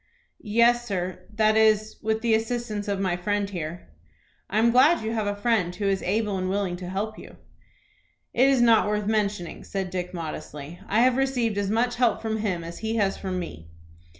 "Yes, sir; that is, with the assistance of my friend here." "I am glad you have a friend who is able and willing to help you." "It is not worth mentioning," said Dick, modestly. "I have received as much help from him as he has from me."